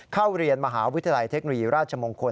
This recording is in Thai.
เข้าเรียนมหาวิทยาลัยเทคโนโลยีราชมงคล